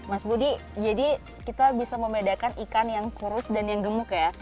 mas budi jadi kita bisa membedakan ikan yang kurus dan yang gemuk ya